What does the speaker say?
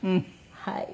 はい。